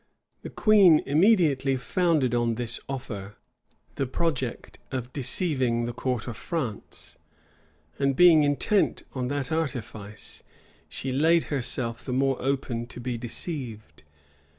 The queen immediately founded on this offer the project of deceiving the court of France; and being intent on that artifice, she laid herself the more open to be deceived.